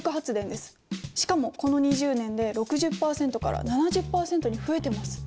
しかもこの２０年で６０％から７０％に増えてます。